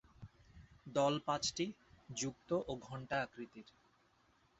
দল পাঁচটি, যুক্ত ও ঘণ্টা আকৃতির।